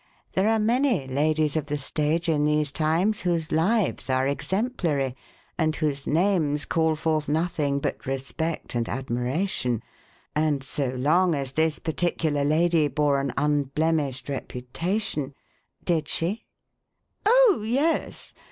There are many ladies of the stage in these times whose lives are exemplary and whose names call forth nothing but respect and admiration; and so long as this particular lady bore an unblemished reputation Did she?" "Oh, yes.